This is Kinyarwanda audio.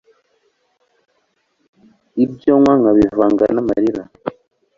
ibyo nywa nkabivanga n’amarira